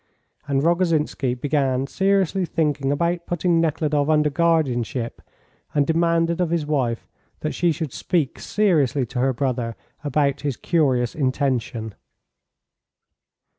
And Rogozhinsky began seriously thinking about putting Nekhludoff under guardianship, and demanded of his wife that she should speak seriously to her brother about his curious intention.